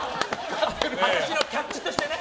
キャッチとしてね。